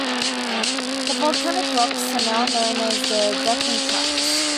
The volcanic rocks are now known as the Deccan Traps.